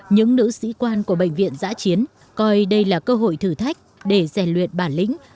những nữ sĩ quan của bệnh viện giã chiến coi đây là cơ hội thử thách để rèn luyện bản lĩnh